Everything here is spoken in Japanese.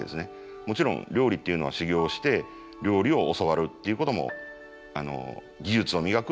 もちろん料理っていうのは修業して料理を教わるっていうことも技術を磨くっていうこともあるんですけど。